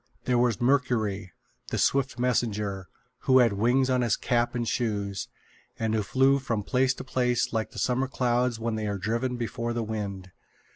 There was Mercury, the swift messenger, who had wings on his cap and shoes, and who flew from place to place like the summer clouds when they are driven before the wind.